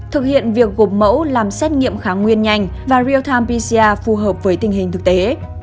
thực hiện việc gộp mẫu làm xét nghiệm kháng nguyên nhanh và real time pcr phù hợp với tình hình thực tế